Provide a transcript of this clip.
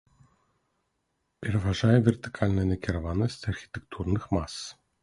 Пераважае вертыкальная накіраванасць архітэктурных мас.